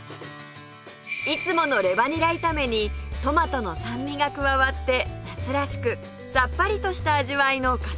いつものレバにら炒めにトマトの酸味が加わって夏らしくさっぱりとした味わいの笠原流定食